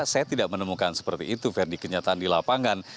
saya tidak menemukan seperti itu ferdi kenyataan di lapangan